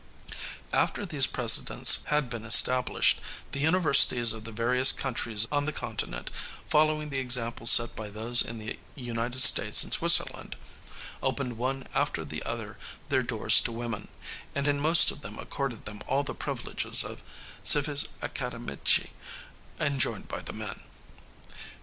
After these precedents had been established, the universities of the various countries on the continent, following the examples set by those in the United States and Switzerland, opened one after the other their doors to women, and in most of them accorded them all the privileges of cives academici enjoyed by the men.